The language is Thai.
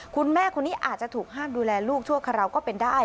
คุณแม่คนนี้อาจจะถูกห้ามดูแลลูกชั่วคราวก็เป็นได้